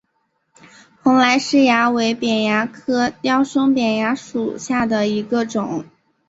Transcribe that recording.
蓬莱虱蚜为扁蚜科雕胸扁蚜属下的一个种。